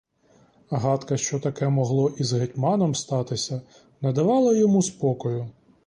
Гадка, що таке могло і з гетьманом статися, не давала йому спокою.